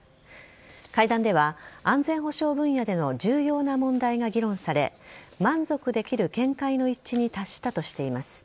会談では安全保障分野での重要な問題が議論され満足できる見解の一致に達したとしています。